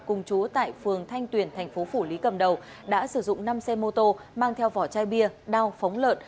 cùng chú tại phường thanh tuyền thành phố phủ lý cầm đầu đã sử dụng năm xe mô tô mang theo vỏ chai bia đao phóng lợn